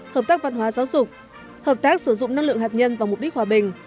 hợp tác văn hóa giáo dục hợp tác sử dụng năng lượng hạt nhân vào mục đích hòa bình